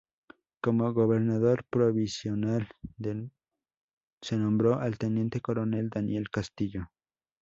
Como gobernador provisional se nombró al teniente coronel Daniel Castillo.